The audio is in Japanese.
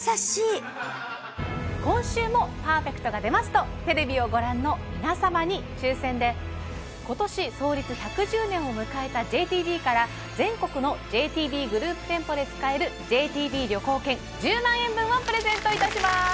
今週もパーフェクトが出ますとテレビをご覧の皆様に抽選で今年創立１１０年を迎えたＪＴＢから全国のＪＴＢグループ店舗で使えるＪＴＢ旅行券１０万円分をプレゼントいたします